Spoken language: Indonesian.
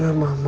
aku mau tidur